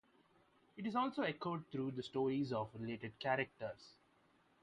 It is also echoed through the stories of related characters.